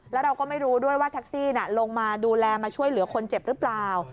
แล้วเราก็ไม่รู้ด้วยว่าแท็กซี่ลงมาดูแลมาช่วยเหลือคนเจ็บหรือเปล่า